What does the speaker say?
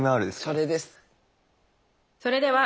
それです。